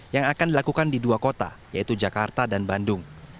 yang akan dilakukan di dua kota yaitu jakarta dan bandung